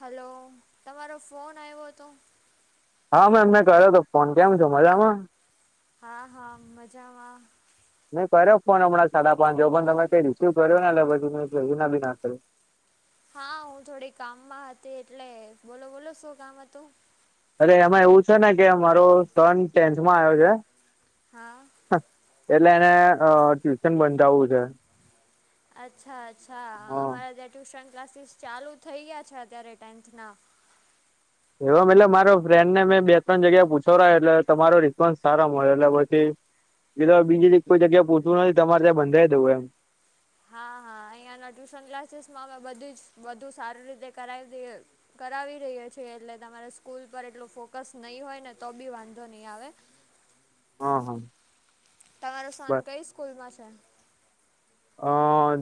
Hello તમારો phone આઈવો હતો હા મેમ મેં કર્યો તો ફોન કેમ છો મજામાં હા હા મજામાં મેં કર્યો ફોન હમણાં સાડા પાંચો જેવો પણ તમે કઈ રિસીવ કર્યો ના એટલે પછી મે ફેરેના બી ના કર્યો- હા હું થોડી કામમાં હતી એટલે બોલો બોલો શું કામ હતું અરે એમાં એવું છે ને કે મારો સન ટેન્થમાં આવ્યો છે. હા એટલે એને અ ટ્યુશન બંધાવવું છે. અચ્છા અચ્છા હા અમારા ત્યાં ટ્યુશન ક્લાસીસ ચાલુ થઈ ગયા છે અત્યારે ટેન્થના એવું એમ એટલે મારો ફ્રેન્ડને મેં બે ત્રણ જગ્યા પૂછવરાયો એટલે તમારો રિસ્પોન્સ સારા મળ્યો એટલે પછી કીધું હવે બીજી કોઈ જગ્યાએ પૂછવું નથી તમારે ત્યાં બંધાઈ દવું એમ હા હા અહંયાના ટ્યુશન ક્લાસીસ માં અમે બધુંજ બધુ સારી રીતે કરાવી દઈએ કરાવી રહ્યા છીએ એટલે તમારે સ્કૂલ પર એટલું ફોકસ નહી હોય ને તો બી વાંધો નહી આવે [inaudible] હા હા તમારો સન બસ કઈ સ્કૂલ માં છે. અ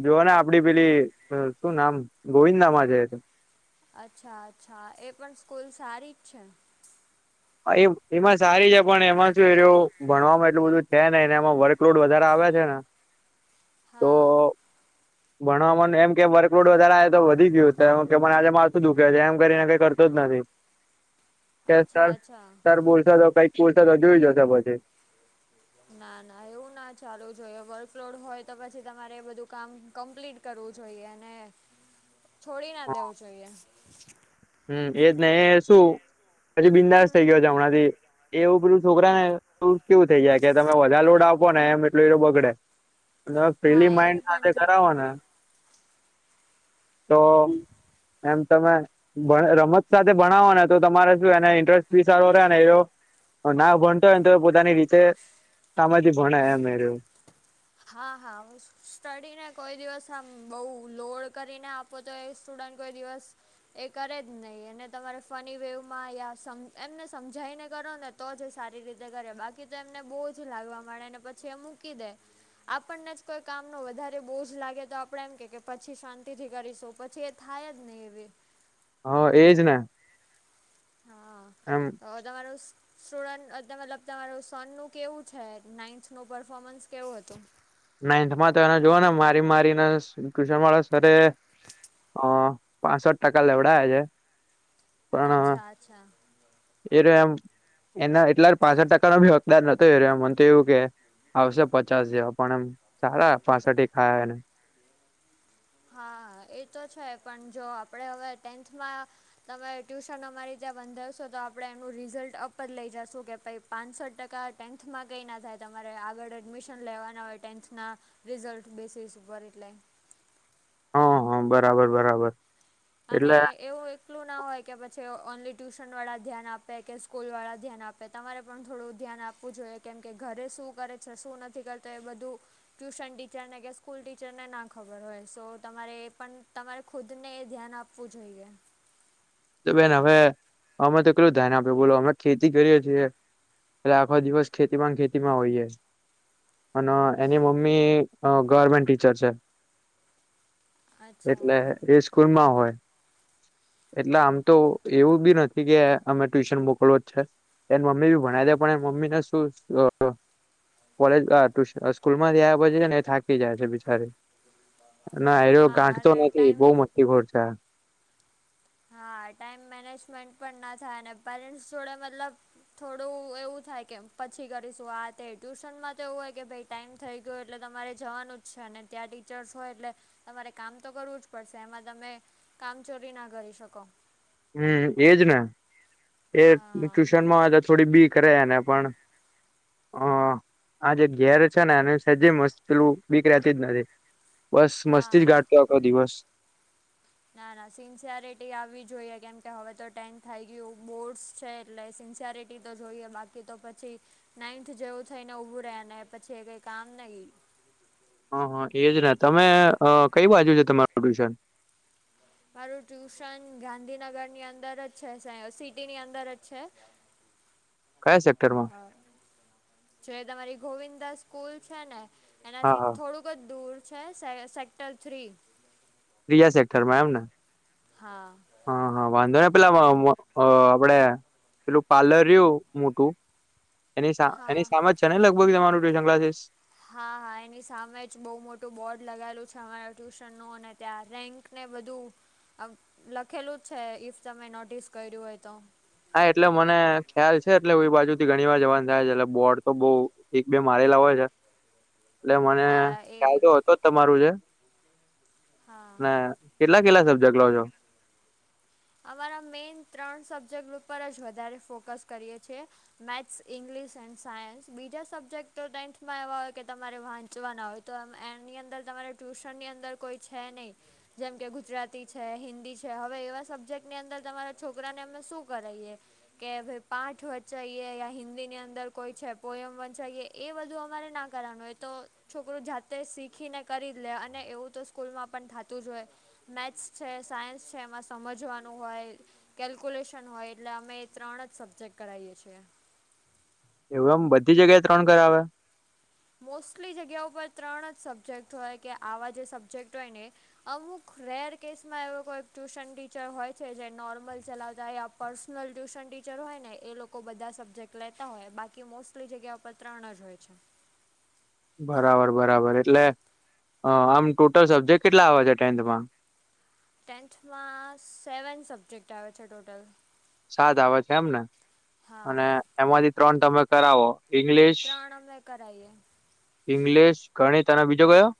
જોઓને આપડી પેલી શું નામ ગોવિંદામાં છે એતો અચ્છા અચ્છા એ પણ સ્કૂલ સારી જ છે. એ એમાં સારી છે પણ એમાં શું એરયો ભણવામાં એટલું બધું છે નઈ ને એમાં વર્ક લોડ વધારે આવે છે ને તો હા ભણવામાં એમ કે વર્કલોડ વધારે આવે તો વધી ગયું છે, કેને આજે મારથું દુખે છ એમ કરીને કઈ કરતો જ નથી [inaudible] કે સર અચ્છા અચ્છા સર બોલશે કઈક બોલશે તો જોઈ જશે પછી ના ના એવું ના ચાલુ જોઈએ વર્કલોડ હોય તો પછી તમારે બધું કામ કમ્પ્લીટ કરવું જોઈએ ને છોડી ના દેવું જોઈએ હમ એજ નહ શું પછી બિંદાસ થઇ ગયો છે હમણાં થી એવું બધું છોકરા ને એ કેવું થઈ જાય કે તમે બધા લોડ આપો ને એમ એટલ એ બગડે હા ફ્રી એવું માઈન્ડ હાથે પણ થાય કરાવો ને તો એમ તમે રમત સાથે ભણાવો ને તો તમારે શું એને ઇન્ટરેસ્ટ ફી સારો રહે ને એવ ના ભણતો હોય ને તો પોતાની રીતે કમાંથી ભણે એમ એયરો હા હા હું સ્ટડીને કોઈ દિવસ આમ બહુ લોડ કરીને આપ પોતો એ સ્ટુડન્ટ કોઈ દિવસ એ કરે જ નહીં એને તમારે ફની વેવમાં યા સમ એમને સમજાઈ ને કરો ને તો જ સારી રીતે કરે બાકી તો એમને બહુ જ લાગવા માંડે ને પછી એ મૂકી દે આપણને જ કોઈ કામનો વધારે બોજ લાગે તો આપણે એમ કે કે પછી શાંતિ થી કરીશું પછી થાય જ નહીં એ હ એજ ને. હા એમ અ તમારો સ્ટુડન્ટ અ ત મતલબ તમારું સન નું કેવું છે નાઈન્થનું પરફોમન્સ કેવું હતું. નાઈન્થમાં તો એને જોઓ ને મારી મારીને ટ્યુશન વાળા સરે અ પાંસઠ ટકા લેવડાયા છે. પણ અચ્છા-અચ્છા. એ રો એમ એના એટલા પાસઠ ટકાનો ભી હકદાર નતો એરો એમ મન તો એવું કે. આવશે પચાસ જેવા પણ એમ સારા પાસઠેક આયા. હા એ તો છે પણ જો આપણે હવે ટેન્થમાં તમે ટ્યુશન અમારી ત્યાં બંધાવશો તો આપણે એનું રિઝલ્ટ અપ જ લઈ જશું કે ભાઈ પાસઠ ટકા ટેન્થમાં કંઈ ના થાય તમારે આગળ એડમિશન લેવાના હોય ટેન્થના- રિઝલ્ટ બેસીસ ઉપર એટલે. હ-હ બરાબર-બરાબર. અને એવું એક એટલું ના હોય કે પછી ઓનલી ટ્યુશન વાળા ધ્યાન આપે, કે સ્કૂલ વાળા ધ્યાન આપે. તમારે પણ થોડું ધ્યાન આપવું જોઈએ કેમ કે ઘરે શું કરે છે? શું નથી કરતો એ બધુ. ટ્યુશન ટીચરને કે સ્કૂલ ટીચરને ના ખબર હોય શો તમારે એ પણ તમારે ખુદ ને ધ્યાન આપવું જોઈએ. તો બેન હવે અમે તો કેટલું ધ્યાન આપ્યું બોલો અમે ખેતી કરીએ છીએ. એટલે આખો દિવસ ખેતી માંન ખેતીમાં વહી જાય છે. અન એની મમ્મી અ ગવર્મેન્ટ ટીચર છે. અચ્છા એટલે એ સ્કૂલમાં હોય. એટલે આમ તો એવું બી નથી કે અમે ટ્યુશન મોકલવો જ છે. એ મમ્મી બી ભણાઈ હા દે પણ મમ્મી ને શું અ કોલેજ આ ટુ અ સ્કૂલમાંથી આયા પછી છે ને એ થાકી જાય છે બિચારી. ના એલો હા ગાંઠ તો અને નથી ટાઈમ બહ મસ્તી ખોર છે. હા ટાઈમ મેનેજમેન્ટ પણ ના થાય અને પેરેન્ટસ જોડે મતલબ થોડું એવું થાય કે પછી કરીશું આ તે ટ્યુશનમાં તો એવું હોય કે ભઈ ટાઈમ થઈ ગયો એટલે તમારે જવાનું જ છે અને ત્યાં ટીચર્સ હોય એટલે તમારે કામ તો કરવું જ પડશે એમાં તમે કામચોરી ના કરી શકો. હમ્મ એજ ને એ હા ટ્યુશનમાં હોય તો થોડી બી કરે એને પણ હ આ જે ઘેર છે ને એનું સજી મસ્લું બીક રેતી જ નથી. બસ મસ્તી જ હા ગાટતો આખો દિવસ. ના-ના સિન્સરિટી આવવી જોઈએ કેમ કે હવે તો ટેન થઈ ગયું બોર્ડસ છે એટલે સિન્સયરિટી તો જોઈએ બાકી તો પછી નાઈન્થ જેવું થઈને ઊભું રેય ને પછી કઈ કામ નહી. હ-હ એજ ને તમે અ કઈ બાજુ છે તમારું ટ્યુશન. મારું ટ્યુશન ગાંધીનગરની અંદર જ છે. સે સિટીની અંદર જ છે. [inaudible] કયા સેક્ટરમાં. અ જે તમારી ગોવિંદા સ્કૂલ છે ને હા એનાથી હા થોડુંક દૂર છે. સે સેક્ટર થ્રી. ત્રીજા સેક્ટરમાં એમ ને. હા. હા-હા વાંધો ને પેલા વ મ અ આપડે પેલું પાર્લર રહ્યું મોટું એની સામે હા એની સામે જ છે ને લગભગ તમારું ટ્યુશન ક્લાસીસ. હા એની સામે જ બહુ મોટું બોર્ડ લગાયેલું છે અમારા ટ્યુશનનું અને ત્યાં રેન્ક ને બધું આમ લખેલું જ છે ઇફ તમે નોટિસ કર્યું હોય તો હા એટલે મને ખ્યાલ છે એટલે એ બાજુ થી ઘણી વાર જવાનું થાય છે એટલે બોર્ડ તો બઉ એક બે મારેલા હોય છે. એટલે મને હા એ કાયદો હતો જ તમારું જે હા ને કેટલા કેટલા સબ્ક્ટ લો છો. અમારા મેન ત્રણ સબ્જેક્ટ ઉપર જ વધારે ફોકસ કરીએ છીએ. મેથ્સ ઇંગ્લિશ એન્ડ સાયન્સ બીજા સબ્જેક્ટ તો ટેન્થમાં એવા હોય કે તમારે વાંચવાના હોય. તો એની અંદર તમારે ટ્યુશનની અંદર કોઈ છે નહી. જેમ કે ગુજરાતી છે હિન્દી છે હવે એવા શબ સબ્જેક્ટની અંદર તમારા છોકરાને અમે શું કરાઈએ કે ભ પાઠ વંચાઈએ યા હિન્દી ની અંદર કોઈ છે પોયમ વંચાઈએ એ બધું અમારે ના કરવાનું એ તો છોકરું જાતે શીખીને કરી લે અને એવું તો સ્કૂલમાં પણ થતું જય મેકસ છે સાયન્સ છે એમાં સમજવાનું. નું હોય કેલ્ક્યુલેશન હોય એટલે અમે એ ત્રણ જ સબ્જેક્ટ કરાવએ છીએ. એવું એમ બધી જગ્યાએ ત્રણ કરાવે મોસ્ટલી જગ્યા ઉપર ત્રણ જ સબ્જેક્ટ હોય કે આવા જે સબ્જેક્ટ હોય ને અમુક રેર કેસમાં એવો કોઈ ટ્યુશન ટીચર હોય છે જે નોર્મલ ચલાવતા પર્સનલ ટ્યુશન ટીચર હોય ને એ લોકો બધા સબ્જેક્ટ લેતા હોય બાકી મોસ્ટલી જગ્યા પર ત્રણ જ હોય છે. બરાબર બરાબર એટલે આમ ટોટલ સબ્જેક્ટ કેટલા આવે છે ટેન્થમાં. ટેન્થમાં સેવન સબ્જેક્ટ આવે છે ટોટલ સાત આવે છે એમને હા અને એમાંથી ત્રણ તમે કરાવો. ઈંગ્લિશ ત્રણ અમે કરાઈએ. ઈંગ્લિશ ગણિત અને બીજો કયો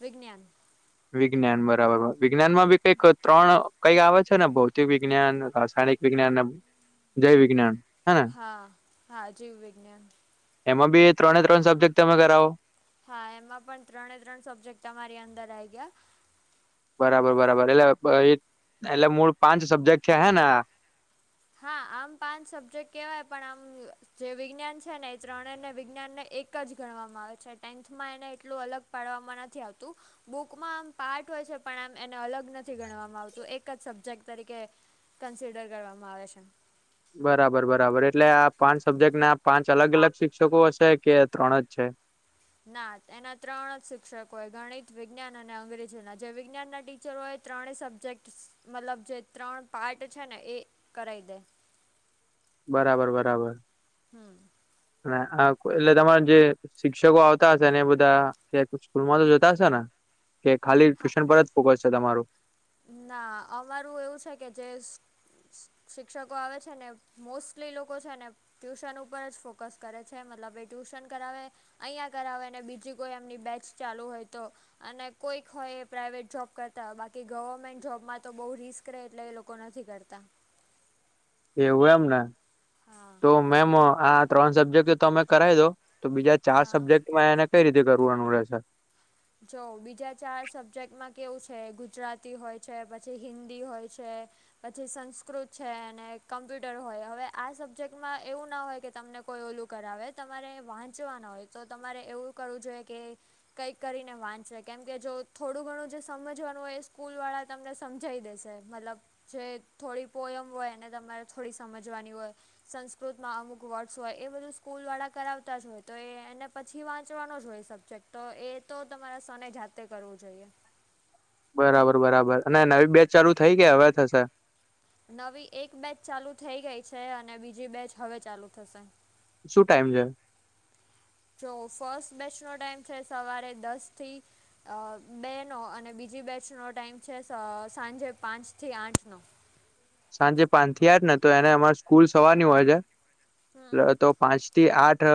વિજ્ઞાન વિજ્ઞાન બરાબર વિજ્ઞાનમા કઈક ત્રણ કઈક આવે છે ને ભૌતિક વિજ્ઞાન રાસાયણિક વિજ્ઞાન ને જય વિજ્ઞાન હેને હા હા જીવ વિજ્ઞાન એમાં બી ત્રણે ત્રણ સબ્જેક્ટ તમે કરાવો. હા એમાં પણ ત્રણે ત્રણ સબ્જેક્ટ તમામારી અંદર આવી ગયા બરાબર બરાબર એટલે એટલે મૂળ પાંચ સબ્જેક્ટ છે હે ને હા આમ પાંચ સબ્જેક્ટ કહેવાય પણ આમ જે વિજ્ઞાન છે ને એ ત્રણે અને વિજ્ઞાન ને એક એક જ ગણવામાં આવે છે ટેન્થમાં એને એટલું અલગ પાડવામાં નથી આવતું. બુકમાં આમ પાર્ટ હોય છે પણ આમ એને અલગ નથી ગણવામાં આવતું એક જ સબ્જેક્ટ તરીકે કન્સિડર કરવામાં આવે છે. બરાબર બરાબર એટલે આ પાંચ સબ્જેક્ટ ના પાંચ અલગ અલગ શિક્ષકો હશે કે ત્રણ જ છે. ના એના ત્રણ જ શિક્ષકો ગણિત વિજ્ઞાન અને અંગ્રેજીના જે વિજ્ઞાનના ટી. ચલો એ ત્રણેય સબ્જેક્ટ મતલબ જે ત્રણ પાર્ટ છે ને એ કરાવ દે. [unintelligible] બરાબર બરાબર હમ અને આ એટલે તમાર જે. શિક્ષકો આવતા હશે અને બધા સ્કૂલ માં તો જોતા હશે ને. કે ખાલી હા ટ્યુશન પર જ ફોકસ છે તમારું. ના અમારું એવું છે કે જે. શિ શિ શિક્ષકો આવે છે ને મોસ્ટલી લોકો છે ને. ટ્યુશન ઉપર જ ફોકસ કરે છે મતલબ એ ટ્યુશન કરાવે. અહીંયા કરાવેને બીજી કોઈ એમની બેચ ચાલુ હોય તો. અને કોઈક હોય એ પ્રાાઈવેટ જોબ કરતા બાકી. કે ગવર્મેન્ટ જોબમાં તો બહુ રિસ્ક રહે એટલે એ લોકો નથી કરતા. એવું એમને. હા. મેમ આ ત્રણ સબ્જેક્ટ તો તમે કરાવી દો તો બીજા ચાર હા સબ્જેક્ટમાં એને. કઈ રીતે કરવાનું રહે છે. જો બીજા ચાર સબ્જેક્ટમાં કેવું છે ગુજરાતી હોય છે પછી હિન્દી હોય છે. પછી સંસ્કૃત છે અને કમ્પ્યુટર હોય હવે આ સબ્જેક્ટમાં એવું ના હોય કે તમને. કોઈ ઓલું કરાવે તમારે વાંચવાના હોય તો તમારે એવું કરવું જોઈએ કે. કંઈક કરીને વાંચશે કેમ કે જો થોડું ઘણું જે સમજવાનું હોય એ સ્કૂલ વાળા તમને સમજાવ દેશે મતલબ જે થોડી પોયમ હોય એને તમારે થોડી સમજવાની હોય. સંસ્કૃતમાં અમુક વર્ડસ હોય એ બધું સ્કૂલ વાળા કરાવતા જ હોય તો એ એને પછી વાંચવાનો જ હોય શબ જેક્ટ તો એ તો તમારા સને જાતે કરવું જોઈએ. બરાબર બરાબર અને નવી બેચ ચાલુ થઈ કે હવે થશે? નવી એક બેચ ચાલુ થઈ ગઈ છે અને બીજી બેચ હવે ચાલુ થશે. શું ટાઈમ છે? જો ફર્સ્ટ બેચનો ટાઈમ છે સવારે દસ થી અહ બે નો અને બીજી બેચનો ટાઈઇમ છે સ સાંજે પાંચથી આઠનો. સાંજે પાંચ થી આઠ ને તો એને અમારે સ્કૂલ સવારની હોય છે હમ એ તો. પાંચ થી આઠ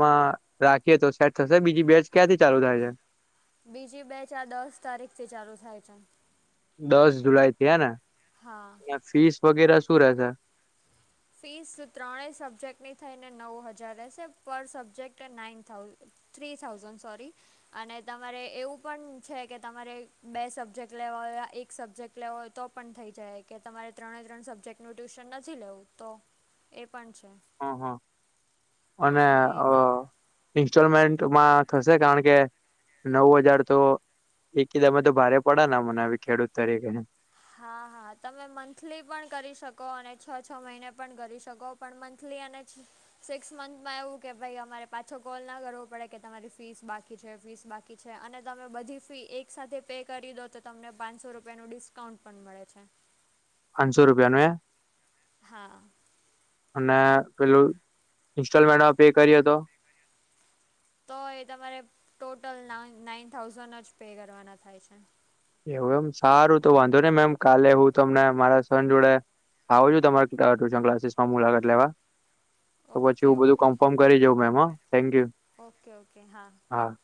માં રાખીએ તો સેટ થશે બીજી બેચ ક્યાંથી ચાલુ થાય છે? બીજી બેચ આ દસ તારીખથી ચાલુ થાય છે. દસ જુલાઈથી હે ને હા ન્યાં ફીસ વગેરે શું રેસે? ફીસ ત્રણેય સબ્જેક્ટની થઈને નવ હજાર રહેશે પર સબ્જેક્ટ નાઈન થાઉ થ્રી થાઉઝન્ડ સોરી. અને તમારે એવું પણ છે કે તમારે બે સબ્જેક્ટ લેવા હોય એક સબ્જેક્ટ લેવા હોય તો. પણ થઈ જાય કે તમારે ત્રણે ત્રણ સબ્જેક્ટ નું ટ્યુશન નથી લેવું તો એ પણ છે. હા હા અને એટલે એ બધ અહ ઈન્સ્ટોલમેન્ટમાં થશે કારણ કે. નવ હજાર તો એક કદામાં તો ભારે પડડા ના મને ખેડૂત તરીકેને. હા હા તમે મંથલી પણ કરી શકો અને છ છ મહિને પણ કરી શકો. પણ મંથલી એના છે. સિક્સ મંથમાં એવું કે ભાઈ અમારે પાછો કોલ ના કરવો પડે કે તમારી ફીસ બાકી છે ફીસ બા કી છે અને તમે બધી ફી એક સાથે પે કરી દો તો તમને પાંચસો રૂપિયાનું ડિસ્કાઉન્ટ. પણ મળે છે. પાંચસો રૂપિયા નું એ. હા. અને પેલું ઈન્સ્ટોલમેન્ટમાં પે કરીએ તો? તો એ તમારે ટોટલ ના નાઇન થાઉઝન્ડ જ પે કરવાના થાય છે. એવું એમ સારું તો વાંધો નઈ મેમ કાલે હું તમને મારા સન જોડે આવો જો તમારે ટ્યુશન ક્લાસીસમાં મુલાકાત લેવા તો પછી ઓકે હું બધું ઓકે કન્ફર્મ કરી જઉં મે હ થેન્કયુ ઓકે ઓકે હા હા.